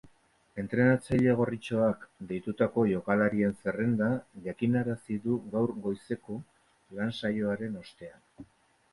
Entrenatzaile gorritxoak deitutako jokalarien zerrenda jakinarazi du gaur goizeko lan saioaren ostean.